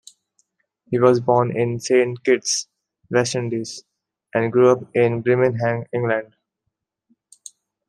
He was born in Saint Kitts, West Indies, and grew up in Birmingham, England.